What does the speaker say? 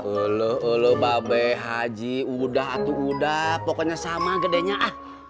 eluh eluh babay haji udah tuh udah pokoknya sama gedenya ah